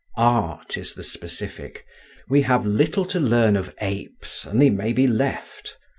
Art is the specific. We have little to learn of apes, and they may be left.